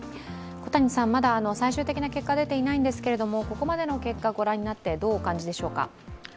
まだ最終的な結果は出ていないんですけども、ここまでの結果をご覧になって、どうお感じでしょうか？